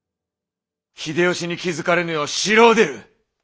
秀吉に気付かれぬよう城を出る！